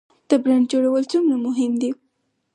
د برنډ جوړول څومره مهم دي؟